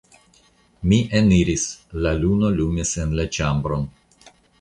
Mi eniris, la luno lumis en la ĉambron.